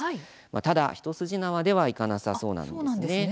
ただ一筋縄ではいかなさそうなんですね。